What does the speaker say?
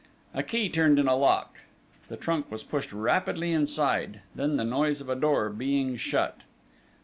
A key turned in a lock; the trunk was pushed rapidly inside; then the noise of a door being shut.